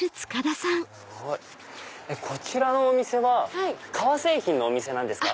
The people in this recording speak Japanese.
こちらのお店は革製品のお店なんですか？